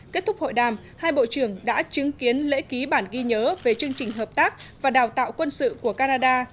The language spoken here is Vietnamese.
kết thúc hội đàm hai bộ trưởng đã chứng kiến lễ ký bản ghi nhớ về chương trình hợp tác và đào tạo quân sự của canada